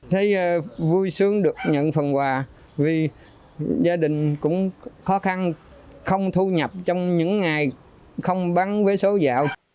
thấy vui sướng được nhận phần quà vì gia đình cũng khó khăn không thu nhập trong những ngày không bán vé số dạo